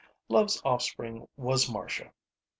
Love's offspring was Marcia.